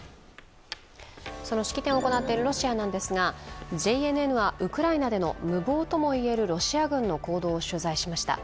その式典を行っているロシアなんですが、ＪＮＮはウクライナでの無謀とも言えるロシア軍の行動を取材しました。